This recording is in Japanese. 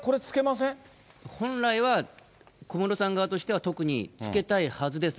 本来は、小室さん側としては特につけたいはずです。